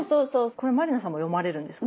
これ満里奈さんも読まれるんですか？